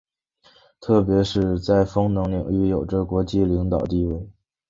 特别是在风能领域有着国际领导地位。